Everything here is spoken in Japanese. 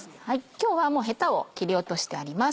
今日はもうヘタを切り落としてあります。